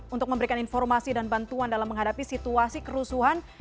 untuk memberikan informasi dan bantuan dalam menghadapi situasi kerusuhan